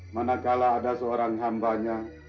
manakala ada seorang hambanya